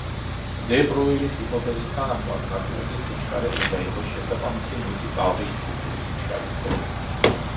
დე ბროილის ჰიპოთეზის თანახმად ნაწილაკის სიჩქარე უნდა იყოს შესაბამისი მისი ტალღის ჯგუფური სიჩქარის ტოლი.